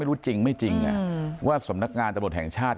ไม่รู้จริงว่าสำนักงานตำรวจแห่งชาติ